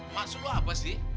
maksud lu apa sih